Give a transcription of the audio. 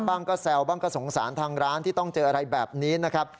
บ้างก็แซวบ้างก็สงสารทางร้านที่ต้องเจออะไรแบบนี้นะครับ